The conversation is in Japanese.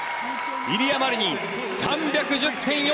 イリア・マリニン３１０．４７。